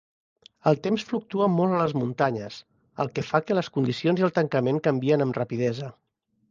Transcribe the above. El temps fluctua molt a les muntanyes, el que fa que les condiciones i el tancament canvien amb rapidesa.